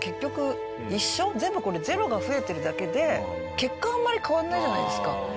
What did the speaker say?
全部これゼロが増えてるだけで結果はあんまり変わらないじゃないですか。